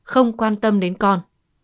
không quan tâm đến con